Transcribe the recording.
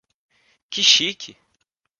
Que chique!